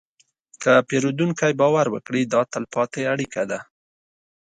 که پیرودونکی باور وکړي، دا تلپاتې اړیکه ده.